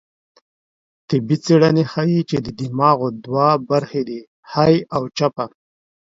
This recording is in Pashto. طبي څېړنې ښيي، چې د دماغو دوه برخې دي؛ ښۍ او چپه